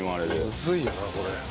むずいよなこれ。